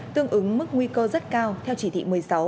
tương ứng mức nguy cơ rất cao theo chỉ thị một mươi sáu